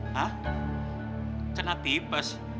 hah kena tipes